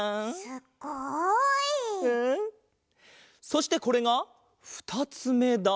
そしてこれがふたつめだ。